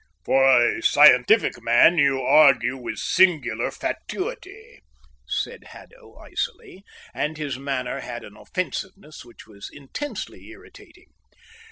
"For a scientific man you argue with singular fatuity," said Haddo icily, and his manner had an offensiveness which was intensely irritating.